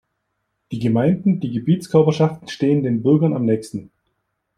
Die Gemeinden, die Gebietskörperschaften stehen den Bürgern am nächsten.